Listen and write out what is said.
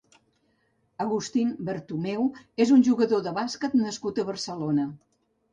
Agustín Bertomeu és un jugador de bàsquet nascut a Barcelona.